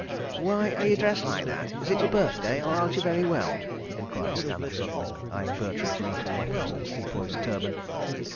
"Why are you dressed like that? Is it your birthday, or aren't you very well?" enquired Stanner suddenly, eyeing Bertram's lethal weapons and Sepoy's turban.